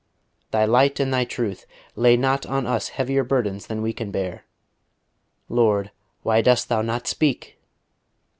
_ Thy light and Thy truth! Lay not on us heavier burdens than we can bear. Lord, why dost Thou not speak!"